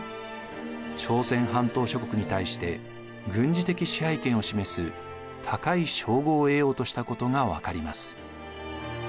朝鮮半島諸国に対して軍事的支配権を示す高い称号を得ようとしたことが分かります。